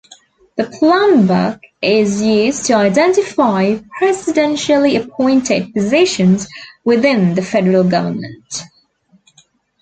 The Plum Book is used to identify presidentially appointed positions within the federal government.